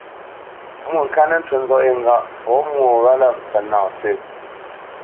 Mwôŋkát nə́ ncú nzɔ̌ʼ yé ŋgâʼ pɔ̌ mwô gho wálā mpfə́ nâ sə̂.